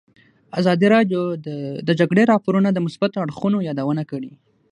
ازادي راډیو د د جګړې راپورونه د مثبتو اړخونو یادونه کړې.